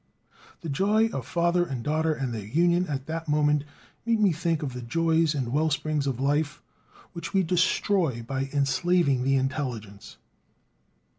The joy of father and daughter and their union at that moment made me think of the joys and wellsprings of life which we destroy by enslaving the intelligence.